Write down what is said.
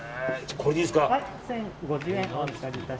これでいいですか。